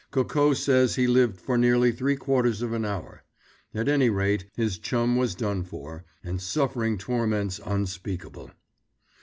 Coco says he lived for nearly three quarters of an hour. At any rate, his chum was done for, and suffering torments unspeakable.